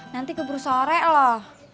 nanti keburu sore loh